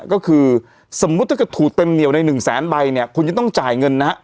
ก็คือสมมุติถ้าเกิดถูกเต็มเหนียวในหนึ่งแสนใบเนี่ยคุณจะต้องจ่ายเงินนะฮะ